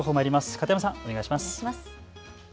片山さん、お願いします。